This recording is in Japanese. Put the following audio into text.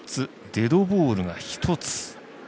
デッドボールが１つ。